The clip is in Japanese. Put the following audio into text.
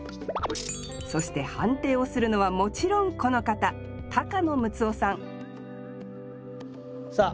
そして判定をするのはもちろんこの方高野ムツオさんさあ